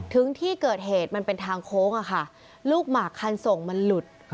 ถึงที่เกิดเหตุมันเป็นทางโค้งอะค่ะลูกหมากคันส่งมันหลุด